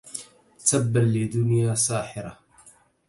تبا لدنيا ساحره